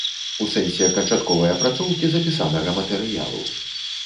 У сэнсе канчатковай апрацоўкі запісанага матэрыялу.